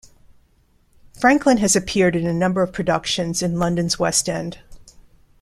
Franklin has appeared in a number of productions in London's West End.